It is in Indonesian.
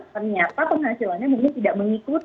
ternyata penghasilannya mungkin tidak mengikuti